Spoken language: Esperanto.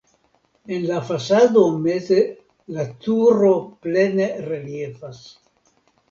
En la fasado meze la turo plene reliefas.